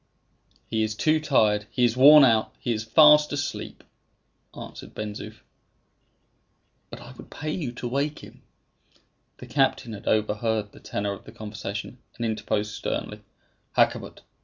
"He is too tired; he is worn out; he is fast asleep," answered Ben Zoof. "But I would pay you to wake him." The captain had overheard the tenor of the conversation, and interposed sternly, "Hakkabut!